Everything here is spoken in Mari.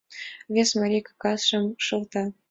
Вес марий кагазшым шылта.